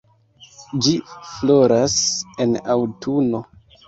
Ĝi floras en aŭtuno.